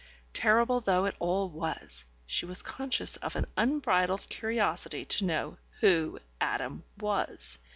Terrible though it all was, she was conscious of an unbridled curiosity to know who Adam was.